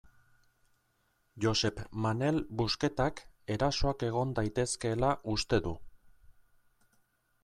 Josep Manel Busquetak erasoak egon daitezkeela uste du.